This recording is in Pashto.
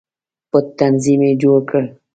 پټ تنظیم یې جوړ کړ.